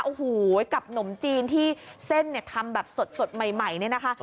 โอ้โหกับนมจีนที่เส้นเนี่ยทำแบบสดใหม่เนี่ยนะคะ